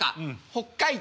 北海道。